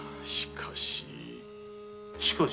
しかし。